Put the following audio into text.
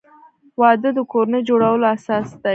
وادۀ د کورنۍ جوړولو اساس دی.